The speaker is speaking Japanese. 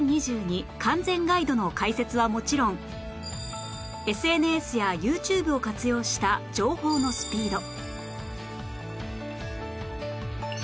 完全ガイドの開設はもちろん ＳＮＳ や ＹｏｕＴｕｂｅ を活用した情報のスピード